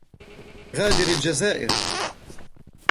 غادر الجزائر